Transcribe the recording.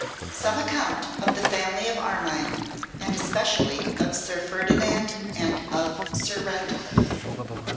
_Some Account of the Family of Armine, and Especially of Sir Ferdinand and of Sir Ratcliffe.